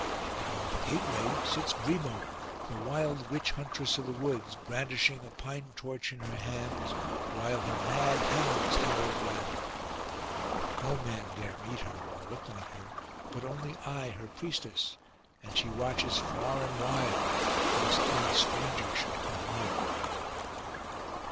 And over the gateway sits Brimo, the wild witch huntress of the woods, brandishing a pine torch in her hands, while her mad hounds howl around. No man dare meet her or look on her, but only I her priestess, and she watches far and wide lest any stranger should come near.